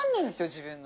自分の。